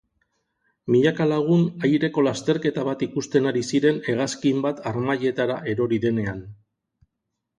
Milaka lagun aireko lasterketa bat ikusten ari ziren hegazkin bat harmailetara erori denean.